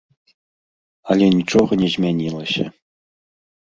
Але нічога не змянілася.